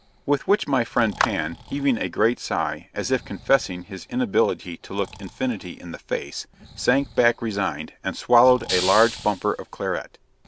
With which my friend Pan, heaving a great sigh, as if confessing his inability to look Infinity in the face, sank back resigned, and swallowed a large bumper of claret.